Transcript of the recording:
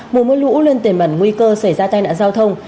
mùa mưa lũ lên tề mẩn nguy cơ xảy ra tai nạn giao thông